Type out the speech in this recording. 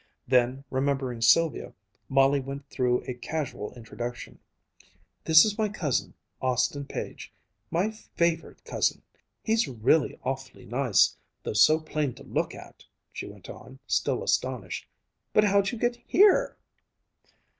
Then, remembering Sylvia, Molly went through a casual introduction. "This is my cousin Austin Page my favorite cousin! He's really awfully nice, though so plain to look at." She went on, still astonished, "But how'd you get _here?